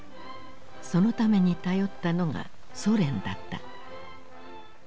そのために頼ったのがソ連だった。